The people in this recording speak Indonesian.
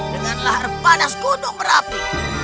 dengan lahar panas kudung berapi